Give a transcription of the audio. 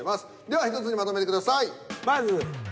では１つにまとめてください。